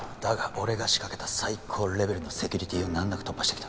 俺が仕掛けた最高レベルのセキュリティーを難なく突破してきた